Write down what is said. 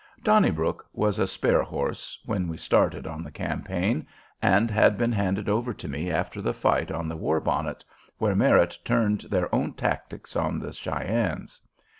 "Donnybrook" was a "spare horse" when we started on the campaign, and had been handed over to me after the fight on the War Bonnet, where Merritt turned their own tactics on the Cheyennes.